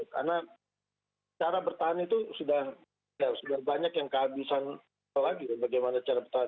karena cara bertahan itu sudah banyak yang kehabisan